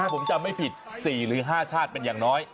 ผมจำไม่ผิด๔หรือ๕ชาติเป็นอย่างน้อย